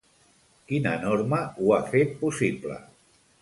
Quina norma ho ha fet possible?